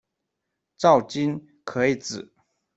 赵君可以指：